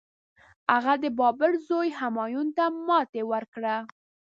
هغه د بابر زوی همایون ته ماتي ورکړه.